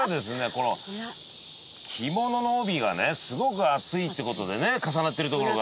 この着物の帯がねすごく暑いって事でね重なってるところが。